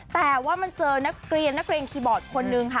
แต่ว่ามันเจอนักเรียนนักเรียนคีย์บอร์ดคนนึงค่ะ